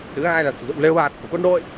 thứ hai là sử dụng liều bạt của quân đội